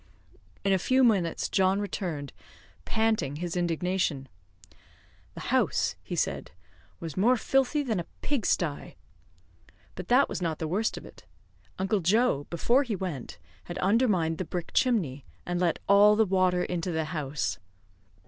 In a few minutes John returned, panting his indignation. "The house," he said, "was more filthy than a pig sty." But that was not the worst of it, Uncle Joe, before he went, had undermined the brick chimney, and let all the water into the house.